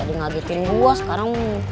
tadi ngagetin gue sekarang